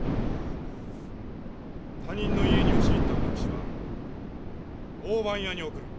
他人の家に押し入った卯之吉は大番屋に送る。